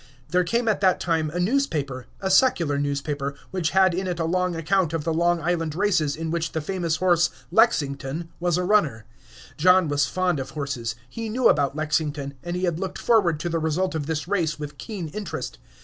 There came at that time a newspaper, a secular newspaper, which had in it a long account of the Long Island races, in which the famous horse "Lexington" was a runner. John was fond of horses, he knew about Lexington, and he had looked forward to the result of this race with keen interest.